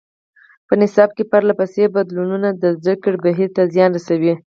په نصاب کې پرله پسې بدلونونو د زده کړې بهیر ته زیان رسولی دی.